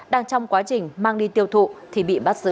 đang trong quá trình mang đi tiêu thụ thì bị bắt giữ